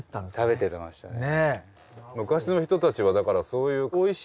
食べてましたね。